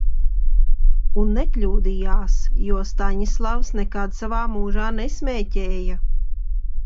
Un nekļūdījās, jo Staņislavs nekad savā mūžā nesmēķēja.